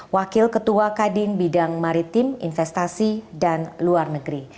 wakil ketua kadin bidang maritim investasi dan luar negeri